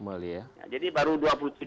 kewarung warung warung kelambu itu lagi